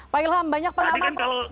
pak ilham banyak penanganan